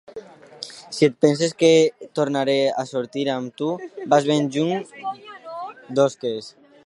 Si et penses que tornaré a sortir amb tu, vas ben lluny d'osques.